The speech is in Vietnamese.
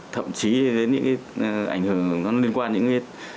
thậm chí đến những ảnh hưởng liên quan đến những